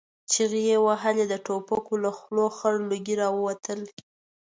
چيغې يې وهلې، د ټوپکو له خولو خړ لوګي را وتل.